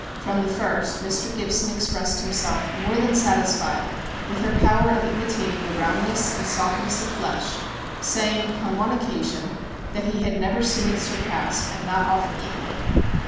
From the first, Mr. Gibson expressed himself more than satisfied with her power of imitating the roundness and softness of flesh, saying, upon one occasion, that he had never seen it surpassed, and not often equalled.